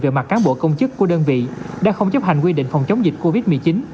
về mặt cán bộ công chức của đơn vị đã không chấp hành quy định phòng chống dịch covid một mươi chín